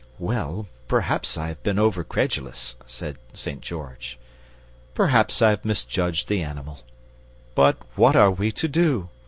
"Well, perhaps I've been over credulous," said St. George. "Perhaps I've misjudged the animal. But what are we to do?